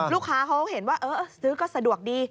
ลูกค้าเขาเห็นว่าเออซื้อก็สะดวกดี